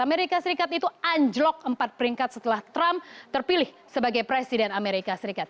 amerika serikat itu anjlok empat peringkat setelah trump terpilih sebagai presiden amerika serikat